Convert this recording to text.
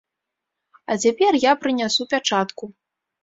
А цяпер я прынясу пячатку!